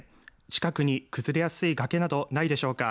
近くに崩れやすい崖などないでしょうか。